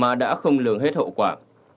mà đã không lường hết hậu quả